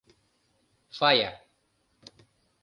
Фая.